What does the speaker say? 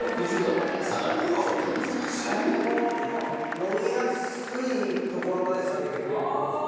飲みやすいところまで下げてくれるって事ですか？